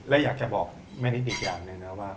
และอยากจะบอกแม่นิดอีกอย่างหนึ่งนะว่า